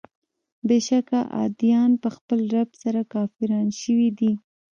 بېشکه عادیان په خپل رب سره کافران شوي دي.